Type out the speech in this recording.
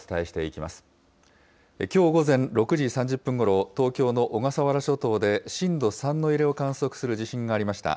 きょう午前６時３０分ごろ、東京の小笠原諸島で震度３の揺れを観測する地震がありました。